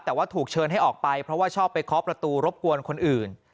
แต่ว่าถูกเชิญให้ออกไปเพราะว่าชอบไปเคาะประตูรบกวนคนอื่น